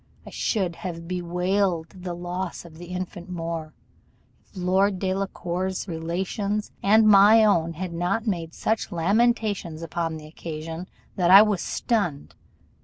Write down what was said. I should have bewailed the loss of the infant more, if Lord Delacour's relations and my own had not made such lamentations upon the occasion that I was stunned.